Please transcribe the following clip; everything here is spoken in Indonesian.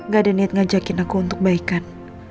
gak ada niat ngajakin aku untuk baikan